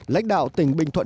lãnh đạo tỉnh bình thuận